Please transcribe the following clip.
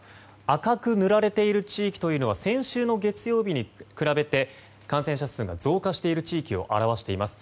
赤く塗られている地域というのは先週の月曜日に比べて感染者数が増加している地域を表しています。